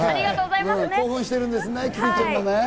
興奮してるんですね、キティちゃんもね。